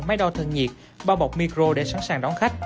máy đo thân nhiệt bao bọc micro để sẵn sàng